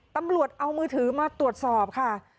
ตำรวจเอามือถือมาตรวจสอบค่ะ